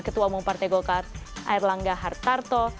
ketua umum partai golkar air langga hartarto